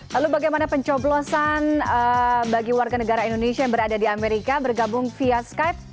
lalu bagaimana pencoblosan bagi warga negara indonesia yang berada di amerika bergabung via skype